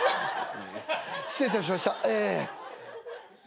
失礼いたしました。